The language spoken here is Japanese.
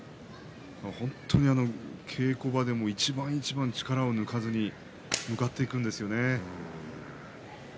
本当に稽古場でも一番一番力を抜かずに向かっていくんですよね。